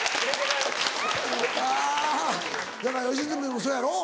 だから吉住もそうやろ？